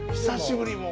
久しぶり。